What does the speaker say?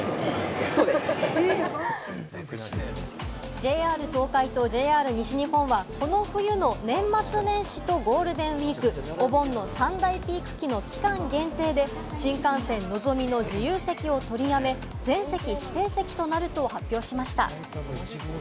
ＪＲ東海とＪＲ西日本はこの冬の年末年始とゴールデンウイーク、お盆の三大ピーク期の期間限定で新幹線・のぞみの自由席を取りやめ、全席指定席となると発表しました。